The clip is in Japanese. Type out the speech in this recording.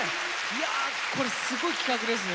いやこれすごい企画ですね